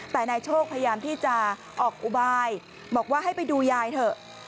แต่นายโชคพยายามที่จะออกอุบายบอกว่าให้ไปดูยายเถอะ